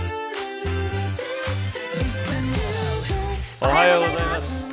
おはようございます。